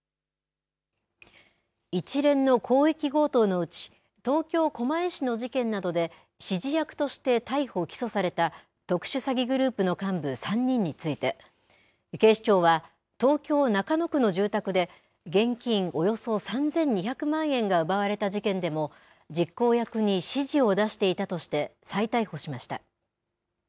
一連の広域強盗のうち、東京・狛江市の事件などで指示役として逮捕・起訴された、特殊詐欺グループの幹部３人について、警視庁は東京・中野区の住宅で現金およそ３２００万円が奪われた事件でも、実行役に指示を出していたとして、再逮捕しました。